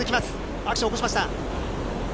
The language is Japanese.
アクション起こしました。